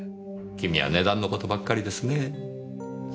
君は値段の事ばっかりですねぇ。